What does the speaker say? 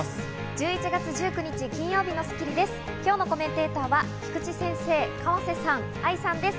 １１月１９日、金曜日の『スッキリ』です。